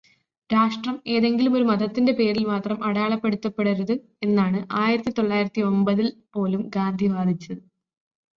രാഷ്ട്രം ഏതെങ്കിലും ഒരു മതത്തിന്റെ പേരില് മാത്രം അടയാളപ്പെടുത്തപ്പെടരുത് എന്നാണു ആയിരത്തി തൊള്ളായിരത്തിയൊമ്പതിൽ പോലും ഗാന്ധി വാദിച്ചത്.